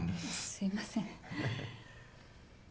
すいません。